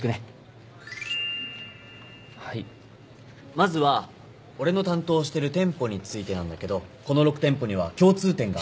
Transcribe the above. まずは俺の担当してる店舗についてなんだけどこの６店舗には共通点があって。